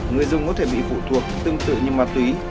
người dùng có thể bị phụ thuộc tương tự như ma túy